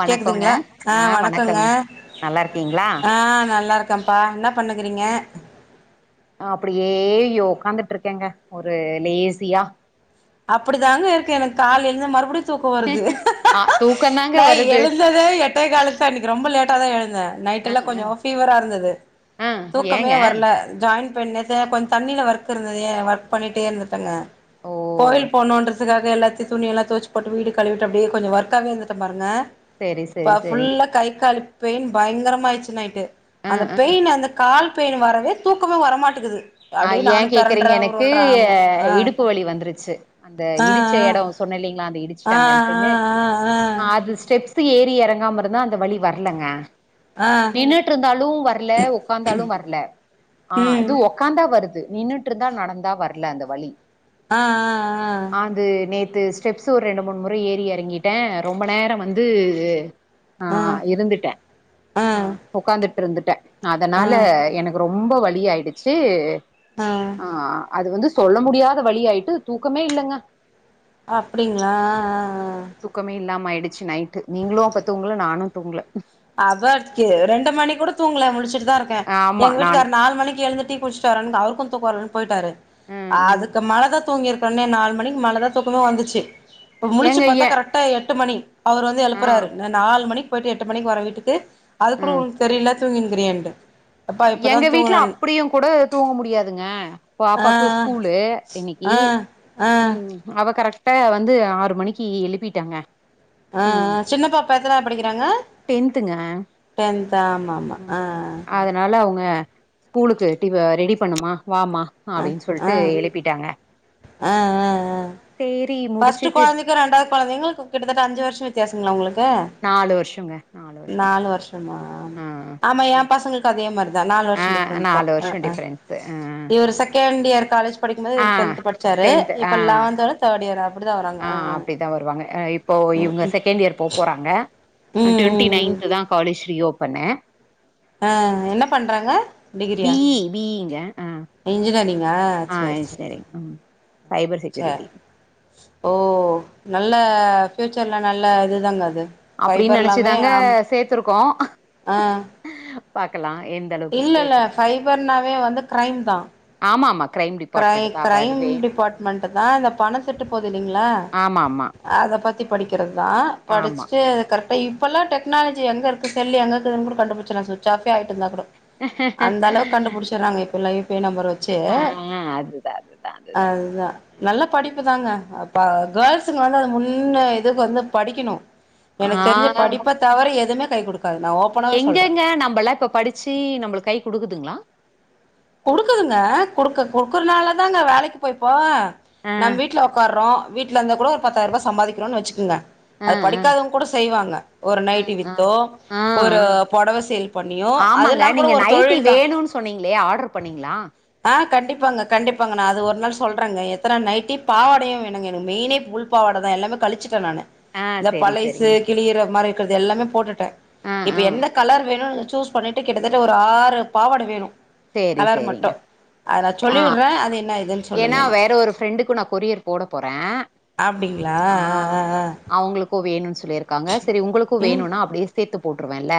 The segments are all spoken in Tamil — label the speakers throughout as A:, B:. A: வணக்கோங்க
B: கேக்குதுங்ளா அ வணக்கங்க
A: நல்லா இருக்கீங்களா
B: அ நல்லாருக் க்கம்ப்பா என்ன பண்ணுக்றீங்க
A: அப்டியே யோ உக்காந்துட்ருக்கங்க ஒரு லேசியா
B: அப்புடி தாங்க இருக்கு எனக்கு கால்ல எழ்ந்து மறுபுடியு தூக்கோ வருது
A: ஆ தூக்கந்தாங்க
B: ந
A: வருது
B: எழுந்ததே எட்டே காலுக்தா இன்னக்கு ரொம்ப லேட்டா தா எழுந்த நைட்
A: ஆ
B: எல்ல
A: ஆ
B: கொஞ்சோ பீவரா இருந்துடு
A: ஆ
B: தூக்கமே
A: ஏங்க
B: வர்ல ஜாயிண்ட் பெ நேத்துகொஞ்ச தண்ணில ஒர்க் இருந்து ஒர்க் பண்ணிட்டே இருந்துட்டங்க
A: ஓ
B: கோயி ல் போகுன்றதுக்காக எல்லாத்தையு துணியல்லா தொவச்சி போட்டு வீடு கழுவிட்டு அப்டியே கொஞ்ச ஒர்காக இருந்துட்ட பாருங்க
A: செரி
B: இப்ப
A: செரி செரி
B: ஃபுல்ல கை கால் பெயின் பயங்கர ஆயிடுச்சு நைட்டு
A: ஆ
B: அந்த
A: ஆ
B: பெயின் அந்த கால் பெயின் வரவே தூக்கமே வரமாட்டேக்குது
A: அ ஏ கேக்குறீங்க எனக்கு
B: ஆ
A: இடுப்பு வலி வந்துருச்சு அந்த
B: ஆ
A: இடிச்ச எடோ சொன்ன இல்லீங்ளா அந்த
B: ஆ
A: இடிச்சிட்டாங்கு
B: ஆ ஆ
A: அது ஸ்டெ ஸ்த்து ஏறி எறங்காம இருந்தா அந்த வலி வர்லங்க
B: ஆ ஆ
A: நின்னுட்டு இருந்தாலு வர்ல உக்காந்தாலு வர்ல அ அது
B: ம்
A: தா வருது நின்னுட்ருந்தா நடந்தா வர்ல அந்த வலி
B: ஆ ஆ ஆ
A: இந்த ஸ்டெப்ஸு ஒரு ரெண்டு மூணு முற ஏறி எறங்கிட்டே ரொம்ப நேர வந்து ஆ இருந்துட்டே ஆ உக்காந்துட்டு இருந்துட்டே
B: ஆ ஆ
A: அதனால எனக்கு ரொம் ப வலி ஆயிடுச்சு ஆ அது வந்து சொல்ல முடியாத வலி ஆயிட்டு தூக்கமே இல்லங்க
B: அப்டிங்களா ஆ ஆ ஆ
A: தூக்கமே இல்லாம ஆயிடு ச்சு நைட்டு நீங்களு அப்ப தூங்கல நானு தூங்ல
B: அதாக்கு ரெண்டு மணி கூட தூங்ல முழிச்சிட்டுதா இருக்க
A: ஆமா
B: எங்க
A: நான்
B: வீட்டுக்காரு நாலு மணிக்கு எழுந்துட் டீ குடிச்சிட்டு வர்றனு அவருக்கு தூக்க வர்லனு போயிட்டாரு
A: ம் ம்
B: அதுக்கு மேலதா தூங்கிருப்பனே நாலு மணிக்கு மேலதா தூக்கமே வந்துச்சு முழிச்சு
A: ஏங்க
B: பாத்தா
A: ஏ
B: கரெக்டா எட்டு மணி அவரு வந்து
A: ஆ
B: எழுப்பறாரு நா நாலு மணிக்கு போயிட்டு எட்டு மணிக்கு வர வீட்டுக்கு அது கூட
A: ம்
B: உங்களுக்கு தெரில தூங்கினு இருக்கியான்ட்டு
A: எங்க வீட்ல அப்படியு கூட தூங்க முடியாதுங்க
B: ஆ
A: பாப்பாக்கு ஸ்கூலு இன்னைக்கு
B: ஆ ஆ
A: ம் அவ கரெக்டா வந்து ஆறு மணிக்கு எழுப்பிட்டங்க
B: ஆ ஆ சின்னப்பாப்பா எத்தனாவது படிக்கிறாங்க
A: டென்த்துங்க
B: டென்த் ஆமாமா ஆ
A: ம் அதனால அவங்க ஸ்கூலுக்கு டி ரெடி பண்ணுமா வாமா
B: ஆ
A: அப்டின்னு
B: ஆ
A: சொல்ட்டு
B: ஆ
A: எழுப்பிட்டாங்க
B: ஆ ஆ ஆ
A: சேரி
B: ஃபர்ஸ்ட்
A: முடிச்சுட்டு
B: கொழந்தைக்கு ரெண்டாவது கொழந்தைங்கக்கு கிட்டத்தட்ட அஞ்சு வருஷ வித்தியாசங்ளா உங்ளுக்கு
A: நாலு வருஷங்க வருஷோ
B: நாலு வருஷமா
A: ஆ
B: ஆமா எ பசங்களுக்கு அதே மாரிதா நா நாலு வருஷ
A: ஆ
B: டிஃபரெண்ட்தா
A: நாலு
B: ஆ
A: வருஷோ
B: ஆ
A: டிஃபரன்ஸு ஆ
B: இவர் செகண்ட் இயர் காலேஜ் படிக்கும்போது
A: ஆ
B: இவுரு டென்த்து படிச்சாரு
A: டென்த் ஆ
B: இப்ப லெவன்த் அவ தேர்ட் இயர் ஆ அப்டிதா வராங்க
A: ஆ அப்பிடிதான் வருவாங்க இப்போ இவுங்க செகண்ட் இயர் போ போறாங்க ஆ
B: ம்
A: ட்வெண்டி
B: ம் ம்
A: நைன்த் தான் காலேஜ் ரீஓபன்னு
B: ஆ என்ன பண்றாங்க டிகிரியா
A: பி இ பி இ ங்க ஆ
B: அப்டியா
A: ஆ
B: செரி
A: இன்ஜினியரிங் ம் சைபர்
B: செரி
A: செக்யூரிட்டி
B: ஓ நல்ல சொல்லா நல்ல இதுதாங்க அது
A: அப்டின்னு
B: ஃபைபர்லாமே
A: நெனச்சிதாங்க
B: ஆமா
A: சேத்துருக்கோ
B: ஆ
A: பாக்கலா எந்த அளவுக்கு
B: இல்ல இல்ல
A: ஸ்கோப் இருக்குன்னு
B: ஃபைபர்னாவே வந்து கிரைம் தா
A: ஆமாமா
B: கிரை கிரைம் டிபார்ட்மெண்ட் தா இந்த பணோ திருட்டு போகுது இல்லிங்களா
A: ஆமா ஆமா
B: அத பத்தி படிக்கிறது தா
A: ஆமா
B: படிச்சிட்டு கரெக் இப்பெல்லா டெக்னாலஜி எங்க இருக்கு செல் எங்க இருக்குதுன்னுகூட கண்டுபிச்சிடலா சுவிச் ஆஃப் ஏ ஆயிட்ருந்தா கூட அந்த அளவுக்கு கண்டுபிடிச்சிறாங்க இப்பெல்லா யு பி ஐ நம்பர் வச்சு
A: ஆ அதுதான் அதுதான் அதுதான்
B: அதுதா நல்ல படிப்புதாங்க அப்ப கேர்ள்ஸுங்க வந்து அத முன்ன இதுக்கு வந்து படிக்கணு
A: ஆ
B: எனக்கு தெரிஞ்சி படிப்ப தவர எதுவுமே கை குடுக்
A: எங்கங்க நம்பல்லா இப்ப படிச்சி நம்பளுக்கு கை குடுக்குதுங்களா
B: குடுக்குதுங்க குடுக்க குடுக்குறனால தாங்க வேலைக்கி போய்ப்போ
A: ஆ
B: நம் வீட்ல ஒக்கார்றோ வீட்ல இருந்தா கூட ஒரு பத்தாயிர ரூபா சம்பாதிக்கிறோன்னு வச்சிக்கோங்க
A: ஆ
B: அது
A: ஆ
B: படிக்காதவங்க கூட செய்வாங்க ஒரு
A: ஆ
B: நைட்டி
A: ஆ
B: வித்தோ
A: ஆ
B: ஒரு
A: ஆ.
B: புடவ சேல் பண்ணியோ
A: ஆமாங்க
B: அதெல்லா கூட
A: நீங்க
B: ஒரு
A: நைட்டி
B: தொழில் தா
A: வேணுன்னு சொன்னீங்களே ஆடர் பண்ணீங்ளா
B: ஆ கண்டிப்பாங்க கண்டிப்பாங்க நா அது ஒரு நாள் சொல்றேங்க எத்தன நைட்டி பாவாடையு வேணுங்க எனக்கு மெயினே உள்பாவாட தா எல்லாமே கழிச்சிட்டே நானு
A: ஆ
B: இந்த
A: சரி
B: பழைசு
A: சரிங்க
B: கிழியிற மாரி இருக்கிறது எல்லாமே போட்டுட்டே
A: ஆ
B: இப்ப
A: ஆ
B: எந்த கலர் வேணுன்னு சூஸ் பண்ணீட்டு கிட்டத்தட்ட ஒரு ஆறு பாவட வேணு
A: சேரி சேரிங்க ஆ
B: சொல்லிடுறேன். அது என்ன ஏதுன்னு சொல்லுங்க
A: ஏன்னா
B: எனக்கு.
A: வேற ஒரு ஃப்ரெண்டுக்கு நா கொரியர் போட போறே
B: அப்டிங்களா?
A: ஆ
B: ஆ ஆ.
A: அவங்களுக்கு வேணுன்னு சொல்லிருக்காங்க செரி உங்களுக்கு
B: ம்.
A: வேணுன்னா அப்டியே சேத்து போட்டுருவேன்ல்ல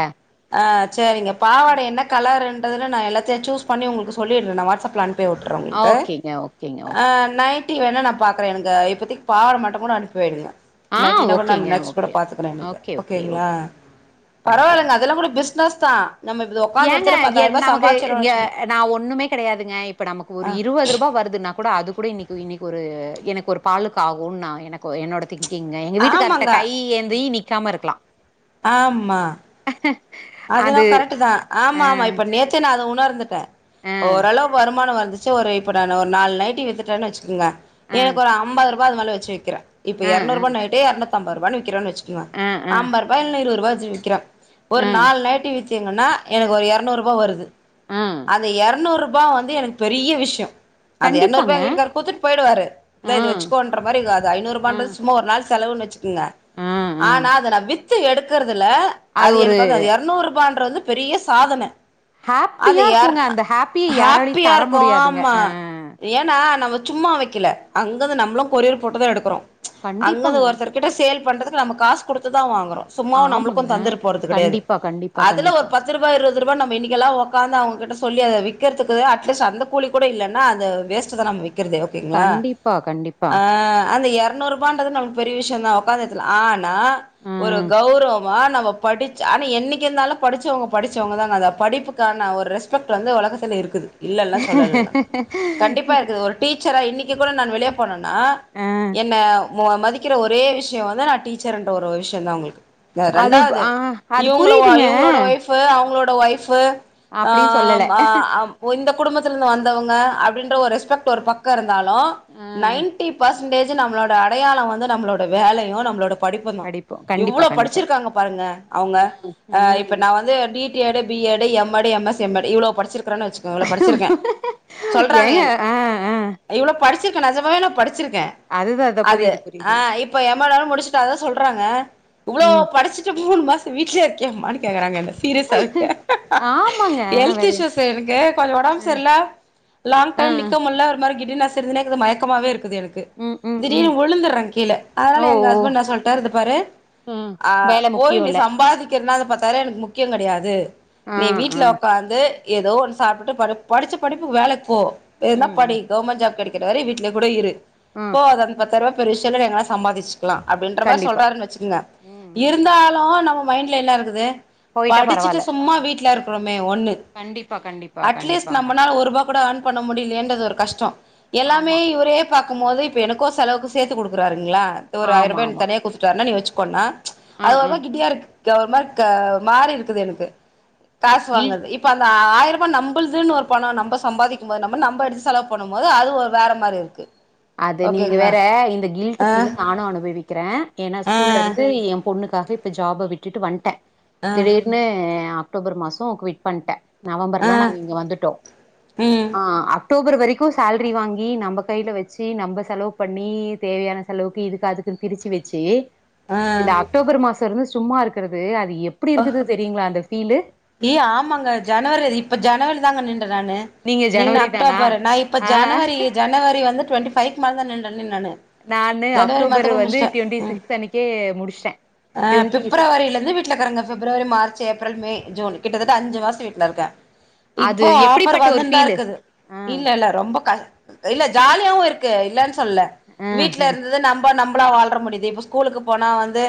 B: ஆ சேரிங்க பாவாட என்ன கலர்ன்றதுல நா எல்லாத்தயு சூஸ் பண்ணி உங்களுக்கு சொல்லிடுறே நா வாட்ஸ்அப்ல அனுப் பி வுட்டுறே உங்களுக்கு
A: ஓகேங்க ஓகேங்க
B: ஆ
A: ஓகேங்க
B: நைட் டி வேண நா பாக்குறே எனக்கு இப்போதைக்கி பாவட மட்டு கூட அனுப்பி வைங்க
A: ஆ
B: நைட்டி நா கூட நா
A: ஓகேங்க
B: நெக்ஸ்ட் கூட
A: ஓகே
B: பாத்துக்குறே எனக்கு
A: ஓகே ஓகே
B: ஓகேங்களா
A: ஓகே ஆ பண்ணிக்கலாங்க
B: அதெல்லா கூட பிஸ்னஸ் தா நம்ம இது உக்காந்த
A: ஏங்க
B: எடத்துல
A: எ
B: பத்தாயிரரூபா
A: நமக்கு
B: சம்பாதிச்சிரோனு
A: இங்க
B: வச்சுக்கோங்க
A: நா ஒண்ணுமே கெடையாதுங்க இப்ப நமக்கு ஒரு இருபது ரூபா வருதுன்னா கூட அதுக் கூட இன்னைக்கி இன்னைக்கி ஒரு எனக்கு ஒரு பாலுக்கு ஆகுன்னு நா எனக்கு என்னோட திங்க் ங்க எங்க வீட்டு காரர்ட
B: ஆமாங்க
A: கை ஏந்தி நிக்காம இருக்கலா
B: ஆமா அதுனா
A: அது
B: கரெட்டுதா ஆமா
A: ஆ
B: ஆமா இப்ப நேத்தே நா அத உணர்ந்துட்டே
A: ஆ
B: ஓரளவு வருமானோ வந் ந்துச்சா ஒரு இப்ப நானு ஒரு நாலு நைட்டி வித்துட்டேன்னு வச்சிக்கோங்க
A: ஆ
B: எனக்கு ஒரு அம்பது ரூபா அது மேல வச்சி விக்கிறே இப்ப
A: ஆ
B: எரநூறுபா நைட்டி எரநூத்தம்பது ரூபான்னு விக்கிறன்னு வச்சிகிங்க
A: ஆ ஆ
B: அம்பது ரூபா இல்ல இருபது ரூபா வச்சி விக்கிறே ஒரு
A: ஆ ஆ
B: நாலு நைட்டி வித்தீங்கன்னா எனக்கு ஒரு எரநூறுபா வருது
A: ஆ.
B: அந்த எரநூறு ரூபா வந்து எனக்கு பெரிய விஷ்யோ அந்த எரநூறுபா
A: கண்டிப்பாங்க
B: எங்க வீட்டுக்கார் குத்துட் போய்டுவாரு இந்தா
A: ஆ
B: இத வச்சிகோன்றமாரி அது
A: ஆ
B: ஐநூறுபான்றது சும்மா ஒரு நாள் செலவுன்னு வச்சிக்குங்க
A: ஆ ஆ
B: ஆனா அத நா வித்து எடுக்கறதுல அது எனக்கு அது இரநூறுபான்றது பெரிய சாதன அது
A: ஹாப்பியா
B: எர
A: இருக்குங்க. அந்த ஹாப்பிய யாராலயும் தர
B: ஹாப்பியாருக்கு
A: முடியாதுங்க.
B: ஆமா
A: அ
B: ஏன்னா நம்ம சும்மா வக்கல அங்கருந்து நம்ளு கொரியர் போட்டுதா எடுக்குறோ அங்கருந்து
A: கண்டிப்பாங்க.
B: ஒருத்தர் கிட்ட சேல் பண்றதுக்கு நம்ம காசு குடுத்துதா வாங்குறோ சும்மாவு
A: ஆமாங்க.
B: நம்ளுக்கு தந்துற போறது கெடையாது
A: கண்டிப்பா, கண்டிப்பா,
B: அதுல ஒரு
A: கண்டிப்பா.
B: பத்து ரூபா இரு இருபதுரூபா நம்ப இன்னிக்கெல்லா ஒக்காந்து அவுங்ககிட்ட சொல்லி அத விக்கிறதுக்கு தா அட்லீஸ்ட் அந்த கூலி கூட இல்லன்னா அது வேஸ்ட்டுதா நம்ம விக் விக்கிறதே ஓகேங்ளா
A: கண்டிப்பா, கண்டிப்பா.
B: ஆ அந்த இரநூறுபான்றது நம்மளுக்கு பெரிய விஷ்யந்தா ஒக்காந்த எடத்துல ஆனா ஒரு
A: ம்.
B: கௌரவமா நம்ம படிச்ச ஆனா என்னக்கிருந்தாலு படிச்சவங்க படிச்சவங்கதாங்க அந்த படிப்புக்கான ஒரு ரெஸ்பெக்ட் வந்து ஒலகத்துல இருக்குது இல்லல்லா சொல்லலா நானு கண்டிப்பாருக்குது ஒரு டீச் ச்சரா இன்னக்கி கூட நானு வெளிய போனனா
A: அ
B: என்ன மோ மதிக்கிற ஒரே விஷ்யோ வந்து நா டீச்சருன்ற ஒரு விஷ்யந்தா உங்களுக்கு
A: அது
B: ரெண்டாவது
A: ஆ அது
B: இவுங்ள ஒ
A: புரியுதுங்க.
B: இவுங்களோட வைஃப்பு அவுங்களோட வைஃப்பு ஆ
A: அப்டின்னு சொல்லல.
B: மா அம் ஒ இந்தப் குடும்பத்துலருந்து வந்தவங்க அப்டின்ற ஒரு ரெஸ்பெக்ட் ஒரு பக்கம் இருந்தாலு
A: அ
B: நைன்டி பர்சன்ட் டேஜி நம்ளோட அடையாளோ வந்து நம்ளோட வேலையும் நம்ளோட படிப்புந்தா
A: படிப்போம். கண்டிப்பா,
B: இவ்ளோ
A: கண்டிப்பா.
B: படிச்சிருக்காங்க பாருங்க அவுங்க
A: ம்,
B: ஆ இப்ப
A: ம்.
B: நா வந்து வந்து tea D D Ed B Ed M Ed M S M Ed இவ்ளோ படிச்சிருக் க்றனு வச்சுகோங்கள படிச்சிருக்க சொல்றாங்க
A: ஏங்க
B: என்ன
A: அ, அ.
B: இவ்ளோ படிச் பச்சிருக்க நெஜமாவே நா படிச்சிருக்க
A: அதுதான் அதான்
B: அது
A: புரியுது,
B: ஆ
A: புரியுது.
B: இப்ப எம் மேடு வேற முடிச்சிட்ட அததா சொல்றாங்க இவ்ளோ
A: ம்.
B: படிச்சுட்டு மூணு மாசம் வீட்லேயே இருக்கியாமானு கேக்கறாங்க என்ன சீரியஸ்ஸா இருக்க
A: ஆமாங்க.
B: ஹெல்த்
A: வேற
B: இஷ்யூஸ் எனக்கு கொஞ்சோ ஒடம்பு
A: அ,
B: செரில லாங்
A: அ.
B: டைம் நிக்க முல்ல ஒரு ஒரு மாரி கிடினஸ் இருந்துனேகுது மயக்கமாவே இருக் குது எனக்கு
A: ம், ம்,
B: திடீர்னு
A: ம்.
B: விழுந்துர்ற கீழ
A: ஓ!
B: அதனால எங்க
A: ஓ!
B: ஹஸ்பண்ட் என்ன சொல்ட்டாரு இது பாரு
A: ம்
B: ஆ
A: வேல முக்கியோ
B: போய் நீ
A: இல்ல
B: சம்பாதிக்கறதுனால பத்தாயிர ரூவா எனக்கு முக்கியோ கிடையாது
A: ஆ
B: நீ வீட்ல
A: ஆ
B: ஒக்காந்து ஏதோ ஒன்னு சாப்டுட்டு படிச்ச படிப்புக்கு வேலைக்போ வேன்னா
A: ம்
B: படி
A: ம்
B: கவர்மெண்ட் ஜாப் கெடைக் கிரவரை வீட்லயே கூட இரு
A: ம்
B: போவாத அந்த பத்தாயிரவா பெரிய விஷ்யோலா இல்ல நீ எங்னா சம்பாதிச் க்லா அப்டின்ற மாரி
A: கண்டிப்பா
B: சொல்றாருன்னு வெச்சுக்கங்க
A: ம் ம் ம்
B: இருந்தாலு நம்ம மைண்ட்ல என்ன இருக்குது
A: போயிட்டா
B: படிச்சுட்டு
A: பரவால்ல
B: சும்மா வீட்ல இருக்குறோமே ஒன்னு
A: கண்டிப்பா கண்டிப்பா
B: அட்லீஸ்ட்
A: கண்டிப்பாங்க
B: நம்மனால ஒருபா கூட எர்ன் பண்ண முடியிலேயே இன்றது ஒரு கஷ்டோ எல்லாமே
A: ஆமா
B: இவரே பாக்க பாக்கும்போது இப்போ எனக்கோ செலவுக்கு சேத்து குடுக்குறாறுங்களா இது ஒரு
A: ஆமா
B: ஆயிர்ரூபா எனக்கு
A: ஆமா
B: தனியா குத்துட்டாருானா நீ வெச்சுக்கோன்னா
A: ஆ
B: அது ஒரு
A: ஆ
B: மாரி கிட்டியா இருக்கு ஒரு மாரி க ஒரு மாரி இருக்குது எனக்கு காசு
A: கில்
B: வாங்கரது இப்ப அந்த ஆயி ஆயிரபா நம்புள்துனு ஒரு பணோ நம்ம சம்பாதிக்கும் போது நம்ம நம்ம எடுத்து செலவு பண்ணும்போது அது ஒரு வேற மாரி இருக்கு
A: அது நீங்க
B: ஓகேங்களா
A: வேற இந்த கில்ட்டு
B: ஆ
A: ஃபீல் நானு அனுபவிக்கிற ஏன்னா
B: ஆ
A: ஸ்கூல்லருந்து எயா பொண்ணுக்காக இப்ப ஜாப விட்டுட்டு வன்ட்டே
B: ஆ
A: திடீர்னு எ அக் அக்டோபர் மாசம் க்விட் பண்ட்ட
B: ஆ
A: நவம்பர்லா நாங்க இங்க வந்துட்டோ
B: ம்
A: ஆ அக் டோபர் வரைக்கோ சேல்ரி வாங்கி நம்ம கைல வச் ச்சி நம்ப செலவு பண்ணி தேவையான செலவுக்கு இதுக்கு அதுக்குன் பிரிச்சி வச்சி இந்த
B: ஆ
A: அக்டோபர் மாசோருந்து சும்மா இருக்கறது அது எப்டி இருக்குது தெரியுங்ளா அந்த ஃபீலு
B: ஏய் ஆமாங்க ஜனவரி இப்ப ஜனவரி தாங்க நின் ன்டே நானு
A: நீங்க
B: நீங்கனா
A: ஜனவரி தானா
B: அக்டோபறு நா இப்ப
A: ஆ
B: ஜனவரி ஜனவரி வந்து டுவெண்டி ஃபைக் மேலதா நின்டேனே நானு
A: நானு
B: ஜனவரி
A: அக்டோபர்
B: மந்த் கூட
A: வந்து
B: முடிச்சிட்டே
A: டுவெண்ட்டி
B: ம்
A: சிக்ஸ்த் அன்னைக்கே முடிஷ்டே
B: ஆ பிப்ரவரிலந்து வீட்ல கறங்க பிப்ரவரி, மார்ச், ஏப்ரல், மே, ஜூன் கிட்டத்தட்ட அஞ்சு
A: ம்
B: மாசோ வீட்ல இருக்க
A: அது
B: இப்போ ஆபர்
A: எப்படிப்பட்ட ஒரு
B: வந்துன்தா
A: ஃபீலு
B: இருக்குது
A: ஆ
B: இல்ல இல்ல ரொம்ப கஷ் இல்ல ஜாலியாவு இருக்கு இல்லன் சொல்ல
A: ஆ
B: வீட்ல இருந்தது நம்போ நம் நம்பலா வாழ்ற முடிது இப்போ ஸ்கூலுக்கு போனா வந்து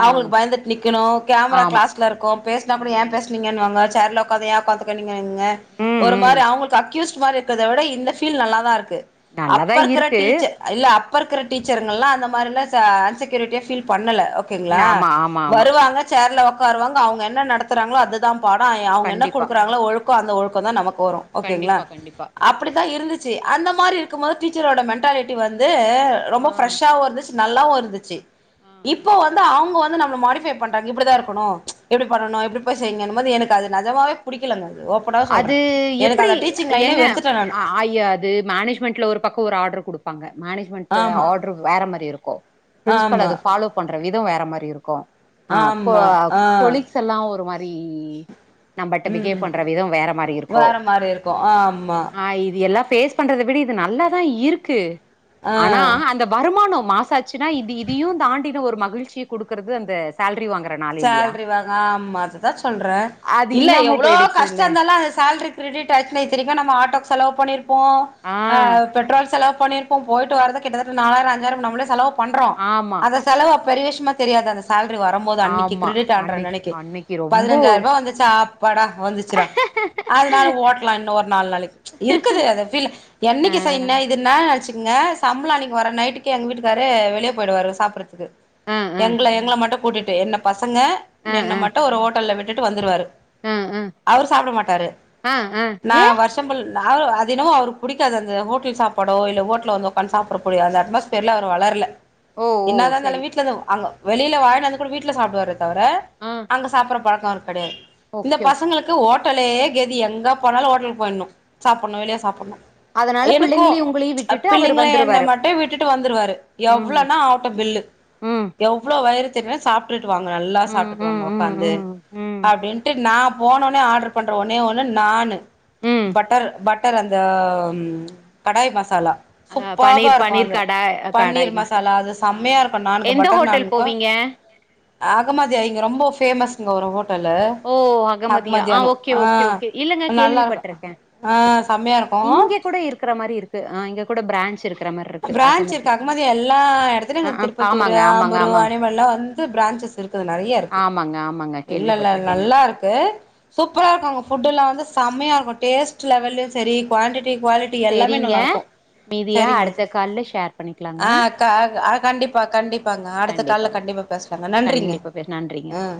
A: ஆ
B: அவுங்களுக்கு பயந்துட் நிக்கணு கேமரா
A: ஆமா
B: கிளாஸ்ல இருக்கோ பேசினா அப்டி எப்
A: ம்
B: நிங்கன்வாங்க சேர்ல உக்காதா யா ஒக்காந்துக்குனுங்க இங்க
A: ம்
B: ஒரு
A: ம்
B: மாறி அவுங்களுக்கு அக்யூஸ்ட் இது மாரி இருக்கறத விட இந்த பீல் நல்லா தா இருக்கு அப்ப
A: நல்லாதா
B: இருக்குற
A: இருக்கு
B: டீச்சர் இல்ல அப் அப்போ இருக்கிற டீச்சர் எல்லா அந்த மாரில்லா அன்செக்யூரிட்டியா ஃபீல் பண்ணல ஓகேங்களா
A: ஆமா ஆமா ஆமா
B: வருவாங்க சேர்ல உடக்காருவாங்க அவுங்க என்ன நடத்துறாங்களோ அதுதா பாடோ ஆயி அவுங்க என்ன
A: கண்டிப்பா
B: குடுக்குறாங்களோ ஒழுக்கோ அந்த ஒழுக்கோதா நமக்கு வரோ ஓகேங்ளா
A: கண்டிப்பா கண்டிப்பா
B: அப்டித்தா இருந்துச் சி அந்த மாரி இருக்கு போது டீச்சரோட மென்டாலிட்டி வந்து அ ரொம்ப
A: ஆ
B: பிரஷ்சாவு இருதுச் நல்லாவு இருந்துச்சி
A: ஆ ஆ
B: இப்போ வந்து அவுங்க வந் நம்மள மாடிஃபை பண்றாங்க இப்டிதா இருக்கணு எப்டி பண்ணனு எப்டி போய் செய்யிங்க அந்தமாதி எனக்கு அது நெஜமாவே புடிக்கலங்க அது ஓப்பனாவே சொல்றே
A: அது
B: எனக்கு
A: எப்டி
B: அந்த டீச்சிங் லைனே
A: எங்க
B: வெறுத்துட்டே நானு
A: ஆ ஆய்ய அது மேனேஜ்மெண்டல ஒரு பக்கோ ஒரு ஆர்டர் குடு பாங்க மேனேஜ்மெண்டு
B: ஆமா
A: ஆர்டர் வேறமாரி இருக்கோ பிரின்சிபல்
B: ஆமா
A: அது பாலோ பண் றவு விதோ வேற மாறி இருக்கோ ஆ கொ
B: ஆமா ஆ
A: கொலிக்ஷசல்லா ஒரு மாறி ரிஇஇஇ நம்பள்ட்ட பிகேவ்
B: ம்
A: பண்ற விதோ வேற மாறி இருக்கோ
B: வேற மாரி இருக்கும் ஆமா
A: பேஸ் பண்றத விட இது நல்லா தா இருக்கு ஆனா
B: ஆ
A: அந்த வருமான மாசாச்சின்னா இது இதையு தாண்டின ஒரு மகிழ்ச்சிய குடுக்கறது அந்த சால்
B: சேலரி வாங்க ஆமா அதுதா சொல்ற
A: அது
B: இல்ல
A: இல்லாம
B: எவ்ளோ கஷ்
A: போயிடுச்சுல்ல
B: [unintelligible] அந்த சேலரி கெரிடிட் ஆச்சு திருப்பியு நம்ம ஆட்டோக்கு செலவு பண்ண போ
A: ஆ
B: அ அவ் பெட்ரோல் செலவு பண்ணிருப்போ போயிட்டு வறதுகிட்டத்தட்ட நாலாயிரோ அஞ்சாயிரோ முன்னோ நம்மளே செலவு பண்றோ
A: ஆமா
B: அது செலவு அப் பெரிய விஷ்யமா தெரியாது அந்த சேலரி வருபோது அன்னிக்
A: ஆமா
B: கிரிடிட் ஆன்ற
A: அன்னைக்
B: நனைக்கு
A: அன்னைக்கு ரொம்போ
B: பதினஞ்சாய் ரூபா வந்துச்சா அப்பாடா வந்திச்சிடா அதனால ஓட்டலா இன்னு ஒரு நாலு நாளைக்கு இருக்குது அத பீல என்னைக்கு
A: அ
B: செய்ன இதுனா அசி ங்க சம்பளணிக்கு வர நைட்டுக்கு எங்க வீட்டுக்காரு தே வெளியே போயிடுவாரு சாப்றதுக்கு
A: அ அ
B: எங்கள எங்கள மட்டு கூட்டிட்டு என்னப் பசங்க
A: அ அ
B: என்ன மட்டு ஒரு ஹோட்டல்ல விட்டுட்டு வந்துருவாரு
A: அ அ
B: அவரு சாப்ட மாட்டாரு
A: அ அ
B: நா
A: ஏ
B: வர்சம்பள் நா அது என்னமோ அவரு புடிக்காது அந்த ஹோட்டல் சாப்பாடோ இல்ல ஹோட்டல் வந்து உக்காந் சாப்டகூடிய அட்மாஸ்பியர்ல அவர் வளர்ல
A: ஓ ஓ
B: என்னாதா
A: செரி
B: இருந்தாலு வீட்ல இருந்தோ அங்கோ வெளியில வாயின்டு வந்து கூட வீட்ல சாப்பிடுவாரே தவிர
A: ஆ
B: அங்க சாப்ற பழக் கெடையாது இந்த
A: ஓகே ஓகே
B: பசங்களுக்கு ஹோட்டலே கெதி எங்க போனாலு ஹோட்டலுக்கு போய்டுனு சாப்பன்னு வெளிய சாப்பன்னு
A: அதனால
B: எனக்கு
A: பிள்ளைங்களையு உங்களையு விட்டுட்டு அவரு
B: பிள்ளைங்கள என்ன
A: வந்துருவாரு
B: மட்டு விட்டுட்டு வந்துருவாரு
A: ம்
B: எவ்ளோனா ஆவட்டு பில்லு
A: ம்
B: எவ்ளோ வயிறு சாப்டுட்டு வாங்க நல்லா
A: ம்
B: சாப்டுட்டு வாங்க
A: ம் ம்
B: உக்காந்து
A: ம் ம்
B: அப்டின்ட்டு நா போனோனே ஆர்டர் பண்ற ஒன்னே ஒண்ணு நான்னு
A: ம்
B: பட்டர் பட் டர் அந்த ம் கடாய் மசாலா
A: அ
B: சூப்பாவா
A: பன்னீர்
B: இருக்கு
A: பன்னீர்
B: அது
A: கடாய்
B: பன்னீர்
A: கடாய் மசால்
B: மசாலா அது
A: ஆ
B: செம்மையா இருக்கு நான்க்கு
A: எந்த
B: பட்டர்
A: ஹோட்டல்
B: நானுக்கு
A: போவீங்க
B: அகமதியா இங்க ரொம்போ ஃபேமஸ்ங்கோ ஒரு ஹோட் டல்லு
A: ஓ அகமதியா
B: அஹமதியானு
A: ஓகே
B: ஆ
A: ஓகே ஓகே இல்லங்க
B: நல்லாரு
A: கேள்விப்பட்ருக்கே
B: ஆ
A: கேள்விப்பட்ருக்கே
B: செம்மையா இருக்
A: இங்க கூட இருக்கற மாரி இருக்கு ஆ இங்க கூட ப்ரான்ச் இருக்
B: ப்ரான்ச் இருக்கு அஹமதியா எல்லா
A: ஆ
B: எடத்துலயு
A: ஆ
B: திருப்பத்தூரு
A: ஆமாங்க ஆமாங்க
B: ஆம்பூரு
A: ஆமாங்க
B: வாணியம்பாலா வந்து ப்ரான் சஸ் இருக்குது நெறையா இருக்கு
A: ஆமாங்க ஆமாங்க
B: இல்ல இல்ல
A: கேள்விப்பட்டிருக்கேங்க
B: நல்லாருக்கு சூப்பரா இருக்கு அங்க ஃபுட் எல்லா வந்து செமையா இருக்கு டேஸ்ட் லெவல்லயு செரி குவான்டிட் டி குவாலிட்டி எல்லாமே
A: செரிங்க
B: நல்லாருக்கு
A: மீதியா
B: செரிங்க
A: அடுத்த கால்ல ஷேர் பண்ணிக்கலாங்க
B: ஆ கா அ கண்டிப்பா கண்டிப் பாங்க அடுத்த கால்ல
A: கண்டிப்பாங்க
B: கண்டிப்பா பேசலாங்க நன்றிங்க
A: கண்டிப்பா பேச நன்றிங்க
B: ம்